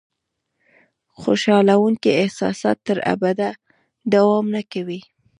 خوشالونکي احساسات تر ابده دوام نه کوي.